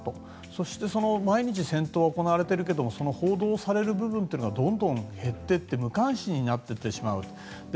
そして毎日戦闘が行われてるけどその報道される部分がどんどん減っていって無関心になっていってしまう。